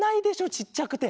ちっちゃくて。